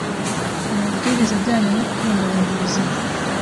amabwiriza ajyanye no kubungabunga ubuzima